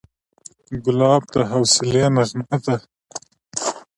ګلاب د حوصلې نغمه ده.